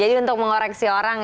jadi untuk mengoreksi orang ya